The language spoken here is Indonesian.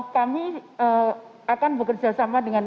kami akan bekerjasama dengan